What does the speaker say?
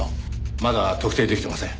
まだ特定できてません。